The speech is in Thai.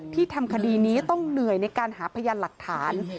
ทำคดีนี้ต้องเหนื่อยในการหาพยานหลักฐาน